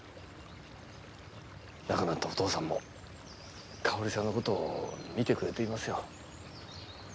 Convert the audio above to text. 亡くなったお父さんも香織さんのことを見てくれていますよ